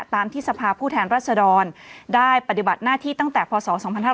ตามที่สภาพผู้แทนรัศดรได้ปฏิบัติหน้าที่ตั้งแต่พศ๒๕๕๙